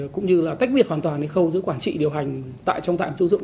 cũng như là cách biệt hoàn toàn những khâu giữa quản trị điều hành trong tạm tiến dụng